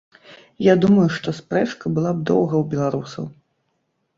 Я думаю, што спрэчка была б доўга ў беларусаў.